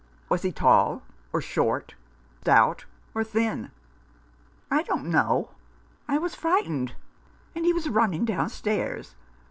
" Was he tall or short, stout or thin ?"" I don't know. I was frightened, and he was running downstairs.